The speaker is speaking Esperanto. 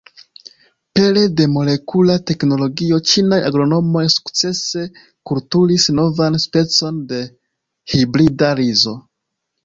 Pere de molekula teknologio ĉinaj agronomoj sukcese kulturis novan specon de hibrida rizo.